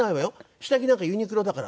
下着なんかユニクロだから」。